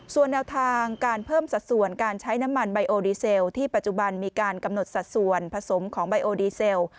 ส่วนแนวทางการเพิ่มสัดส่วนการใช้น้ำมันไบโอดีเซลที่ปัจจุบันมีการกำหนดสัดส่วนผสมของไบโอดีเซล